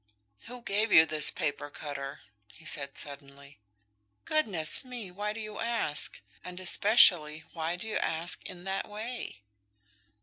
"Who gave you this paper cutter?" he said, suddenly. "Goodness me, why do you ask? and especially, why do you ask in that way?"